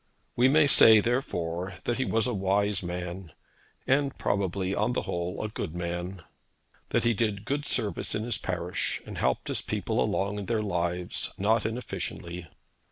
We may say, therefore, that he was a wise man, and probably, on the whole, a good man; that he did good service in his parish, and helped his people along in their lives not inefficiently.